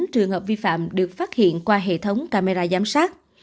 một một trăm linh chín trường hợp vi phạm được phát hiện qua hệ thống camera giám sát